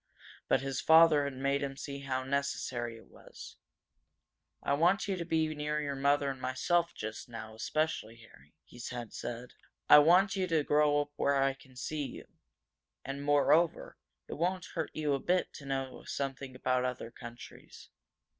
But his father had made him see how necessary it was. "I want you to be near your mother and myself just now, especially, Harry," he had said. "I want you to grow up where I can see you. And, more over, it won't hurt you a bit to know something about other countries.